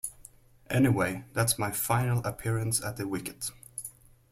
Anyway that's my final appearance at the wicket.